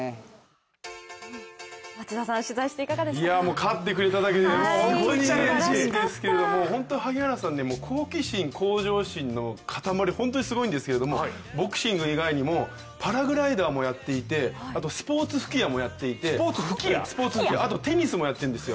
勝ってくれただけで本当にうれしいですけれども萩原さん、好奇心、向上心の塊で本当にすごいんですけどボクシング以外にもパラグライダーもやっていて、あとスポーツ吹き矢もやっていてあとテニスもやってるんですよ。